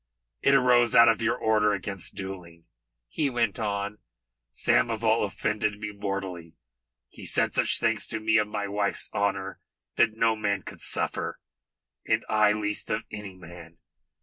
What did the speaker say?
It arose out of your order against duelling," he went on. "Samoval offended me mortally. He said such things to me of my wife's honour that no man could suffer, and I least of any man.